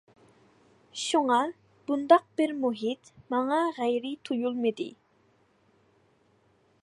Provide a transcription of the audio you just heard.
شۇڭا بۇنداق بىر مۇھىت ماڭا غەيرىي تۇيۇلمىدى.